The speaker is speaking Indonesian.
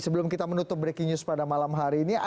sebelum kita menutup breaking news pada malam hari ini